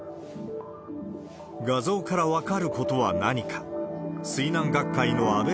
画像から分かることは何か。